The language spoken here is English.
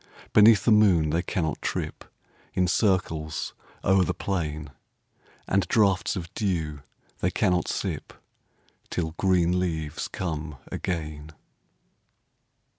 Beneath the moon they cannot trip In circles o'er the plain ; And draughts of dew they cannot sip, Till green leaves come again.